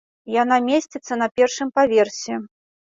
Яна месціцца на першым паверсе.